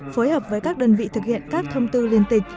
phối hợp với các đơn vị thực hiện các thông tư liên tịch